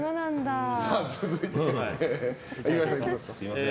続いて、岩井さんいきますか。